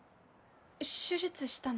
手術したの？